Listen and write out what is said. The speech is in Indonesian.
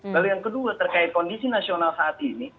lalu yang kedua terkait kondisi nasional saat ini